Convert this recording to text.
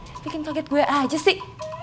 tuh dego bikin kaget gue aja sih